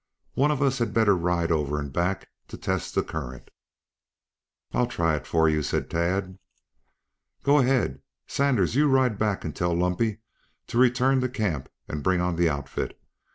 One of us had better ride over and back to test the current." "I'll try it for you," said Tad. "Go ahead. Sanders, you ride back and tell Lumpy to return to camp and bring on the outfit.